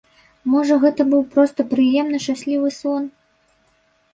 Можа, гэта быў проста прыемны, шчаслівы сон?